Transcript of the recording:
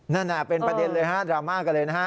นั่นน่ะเป็นประเด็นเลยฮะดราม่ากันเลยนะฮะ